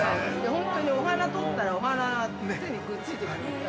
◆本当にお花採ったら、お花、手にくっついてきました。